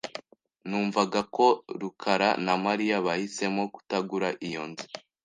Numvaga ko rukara na Mariya bahisemo kutagura iyo nzu .